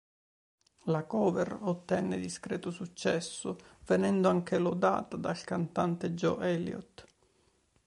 La cover ottenne discreto successo, venendo anche lodata dal cantante Joe Elliott.